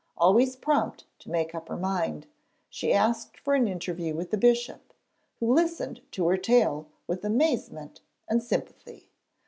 Always prompt to make up her mind, she asked for an interview with the bishop, who listened to her tale with amazement and sympathy.